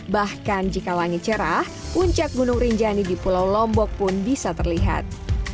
bahkan jika langit cerah puncak gunung rinjani di pulau lombok pun bisa terlihat